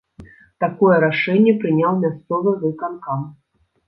Такое рашэнне прыняў мясцовы выканкам.